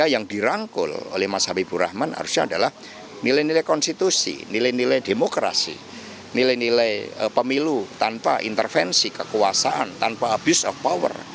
yang dirangkul oleh mas habibur rahman harusnya adalah nilai nilai konstitusi nilai nilai demokrasi nilai nilai pemilu tanpa intervensi kekuasaan tanpa abuse of power